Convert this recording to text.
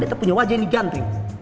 kita punya wajah ini ganteng